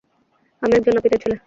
আমি একজন নাপিতের ছেলে।